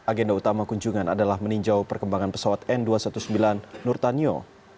agenda utama kunjungan adalah meninjau perkembangan pesawat n dua ratus sembilan belas nurtanio